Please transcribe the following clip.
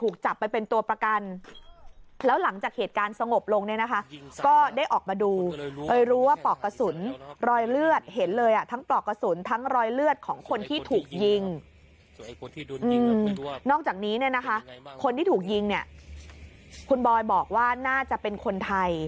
คนที่ถูกยิงเนี่ยคุณบอยบอกว่าน่าจะเป็นคนไทย